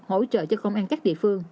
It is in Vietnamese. hỗ trợ cho công an các địa phương